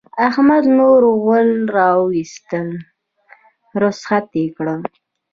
احمد نور غول راوستل؛ رخصت يې کړه.